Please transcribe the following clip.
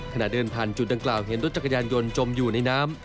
ขณะเดินผ่านจุดดังกล่าวเห็นรถจักรยานยนต์จมอยู่ในน้ำ